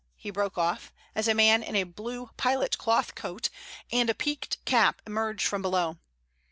he broke off, as a man in a blue pilot cloth coat and a peaked cap emerged from below.